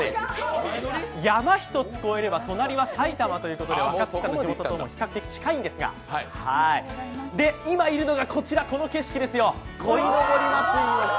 山一つ越えれば、隣は埼玉ということで若槻さんの地元とも比較的近いんですが、今いるのがこちら、この景色ですよ鯉のぼり祭り。